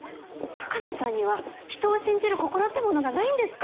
鷹野さんには人を信じる心ってものがないんですか？